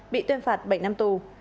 bị tuyên phạt bảy năm tù